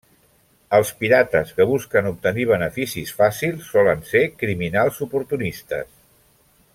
Els pirates que busquen obtenir beneficis fàcils solen ser criminals oportunistes.